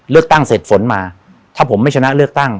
เลือกตั้งเสร็จฝนมาถ้าผมไม่ชนะเลือกตั้ง